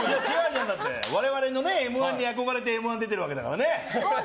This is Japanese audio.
我々の「Ｍ‐１」に憧れて「Ｍ‐１」出てるわけだからね。